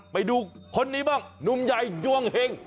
ไปดูคนนี้บ้างหนุ่มใหญ่ดวงเห็ง